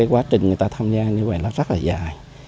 quá trình người ta tham gia như vậy nó rất là dài